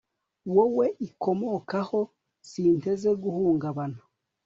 wowe ikomokaho, sinteze guhungabana